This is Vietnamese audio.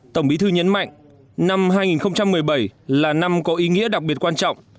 tổng bí thư nhấn mạnh năm hai nghìn một mươi bảy là năm có ý nghĩa đặc biệt quan trọng